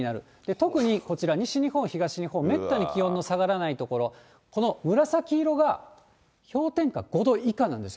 特にこちら、西日本、東日本、めったに気温の下がらない所、この紫色が氷点下５度以下なんですよ。